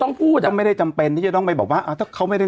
ต้องพูดอ่ะต้องไม่ได้จำเป็นที่จะต้องไปบอกว่าอ่าถ้าเขาไม่ได้